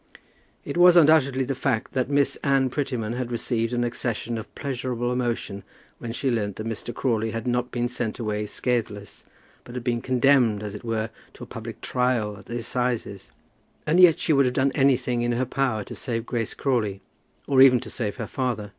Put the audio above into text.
It was undoubtedly the fact that Miss Anne Prettyman had received an accession of pleasurable emotion when she learned that Mr. Crawley had not been sent away scathless, but had been condemned, as it were, to a public trial at the assizes. And yet she would have done anything in her power to save Grace Crawley, or even to save her father.